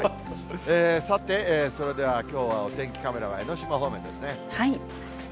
さて、それではきょうのお天気カメラは江の島方面ですね。